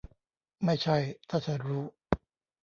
ไม่ใช่ถ้าฉันรู้ !